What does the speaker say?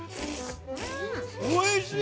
◆おいしい。